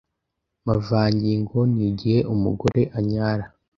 amavangingo nigihe umugore anyara